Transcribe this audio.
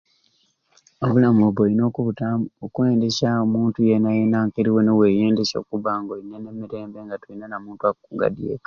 Obulamu oba oyina okubutambu okwendesya omuntu yena yena ngeri we niweyendesya okubanga oyina emirembe nga toyina na muntu akugadya ekka.